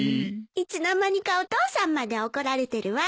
いつの間にかお父さんまで怒られてるわ。